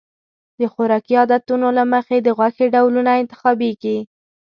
د خوراکي عادتونو له مخې د غوښې ډولونه انتخابېږي.